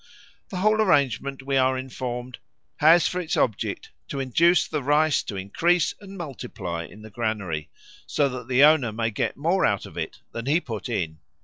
The whole arrangement, we are informed, has for its object to induce the rice to increase and multiply in the granary, so that the owner may get more out of it than he put in.